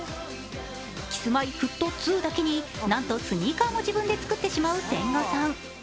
キスマイ「フット」ツーだけになんとスニーカーも自分で作ってしまう千賀さん。